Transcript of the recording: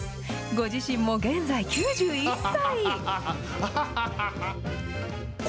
ご自身も現在９１歳。